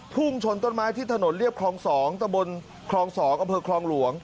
พุ่งชนต้นไม้ที่ถนนเรียบคลอง๒ตะบนคลอง๒อำเภอคลองหลวง